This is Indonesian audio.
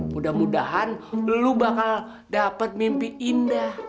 mudah mudahan lu bakal dapat mimpi indah